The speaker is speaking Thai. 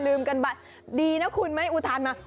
ลืมกันไปดีนะคุณไม่อุทานมา